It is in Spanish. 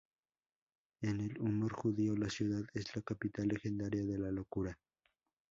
En el humor judío, la ciudad es la capital legendaria de la locura.